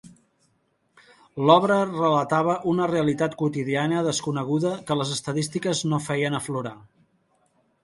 L'obra relatava una realitat quotidiana desconeguda que les estadístiques no feien aflorar.